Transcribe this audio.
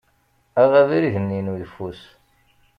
Aɣ abrid-nni n uyeffus.